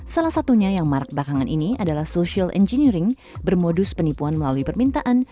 salah satunya yang marak belakangan ini adalah social engineering bermodus penipuan melalui permintaan